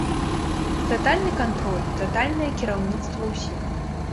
Татальны кантроль, татальнае кіраўніцтва ўсім.